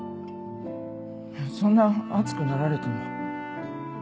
そんな熱くなられても。